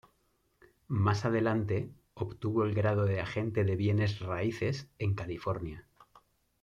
Más adelante obtuvo el grado de agente de bienes raíces en California.